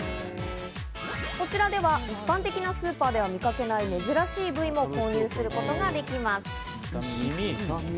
こちらでは一般的なスーパーでは見かけない珍しい部位も購入することができます。